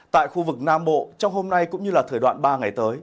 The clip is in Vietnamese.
tại khu vực nam bộ trong hôm nay cũng như là thời đoạn ba ngày tới